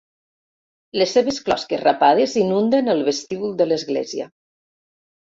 Les seves closques rapades inunden el vestíbul de l'església.